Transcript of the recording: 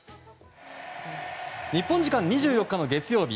日本時間の２４日の月曜日。